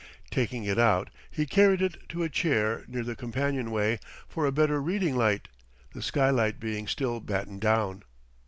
Taking it out he carried it to a chair near the companionway, for a better reading light: the skylight being still battened down.